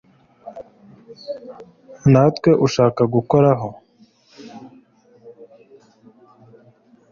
Ntawe ushaka gukoraho